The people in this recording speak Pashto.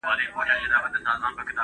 خاونده څه سول د ښار ښاغلي `